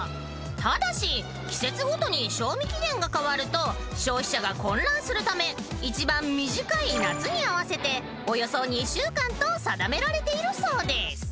［ただし季節ごとに賞味期限が変わると消費者が混乱するため一番短い夏に合わせておよそ２週間と定められているそうです］